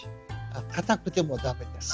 かたくても駄目です。